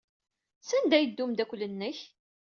Sanda ay yedda umeddakel-nnek?